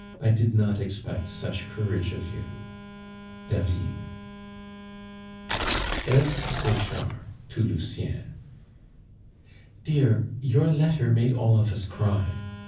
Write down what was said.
I did not expect such courage of you. "DAVID." Eve Sechard to Lucien. "DEAR, your letter made all of us cry.